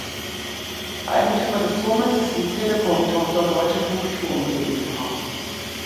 Eigentümer des Turmes ist die Telekom-Tochter Deutsche Funkturm GmbH.